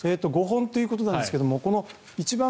５本ということなんですが一番